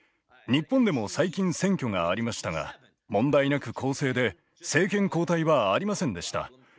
日本でも最近選挙がありましたが問題なく公正で政権交代はありませんでした。